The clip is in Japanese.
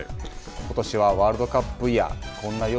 ことしは、ワールドカップイヤー。